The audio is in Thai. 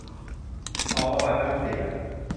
บ่อบำบัดน้ำเสีย